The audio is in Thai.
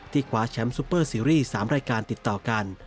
คว้าแชมป์ซูเปอร์ซีรีส์๓รายการติดต่อกัน